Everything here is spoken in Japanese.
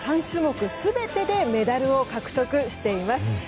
３種目全てでメダルを獲得しています。